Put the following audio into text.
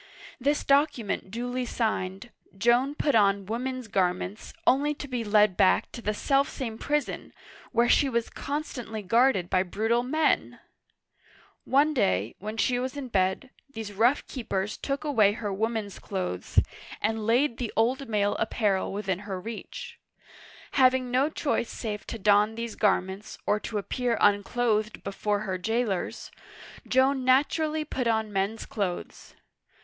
This document duly signed, Joan put on women's garments, only to be led back to the self same prison, where she was constantly guarded by brutal men ! One day, when she was in bed, these rough keepers took away her woman's clothes, and laid the old male ap parel within her reach. Having no choice save to don these garments, or to appear unclothed before her jailers, Joan naturally put on men's clothes.